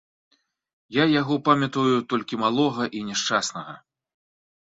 Я яго памятаю толькі малога і няшчаснага.